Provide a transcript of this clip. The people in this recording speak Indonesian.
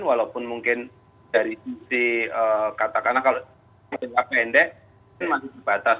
walaupun mungkin dari sisi katakanlah kalau tidak pendek masih batas